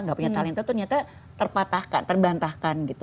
gak punya talenta ternyata terpatahkan terbantahkan gitu